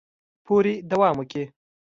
پورې دوام وکړي